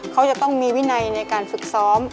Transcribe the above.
เขาจะต้องมีวินัยในการฝึกซ้อม